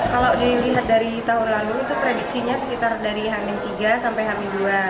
kalau dilihat dari tahun lalu itu prediksinya sekitar dari hamin tiga sampai h dua